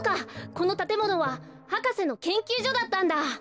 このたてものは博士のけんきゅうじょだったんだ！